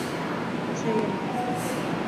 Әсәйем: